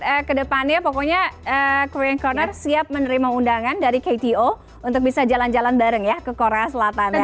oke kedepannya pokoknya korean corner siap menerima undangan dari kto untuk bisa jalan jalan bareng ya ke korea selatan ya